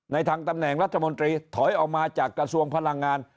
ทางตำแหน่งรัฐมนตรีถอยออกมาจากกระทรวงพลังงาน